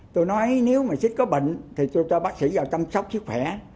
tôi nói nếu mà xích có bệnh thì tôi cho bác sĩ vào chăm sóc sức khỏe